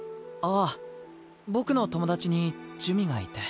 ああ僕の友達に珠魅がいて。